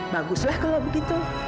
baguslah kalau begitu